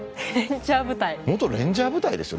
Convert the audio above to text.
元レンジャー部隊ですよ。